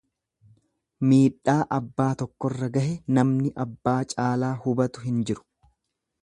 Miidhaa abbaa tokkorra gahe namni abbaa caalaa hubatu hin jiru.